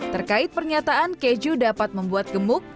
terkait pernyataan keju dapat membuat gemuk